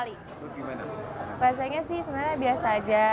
rasanya sih sebenarnya biasa aja